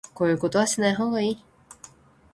こういうことはしない方がいい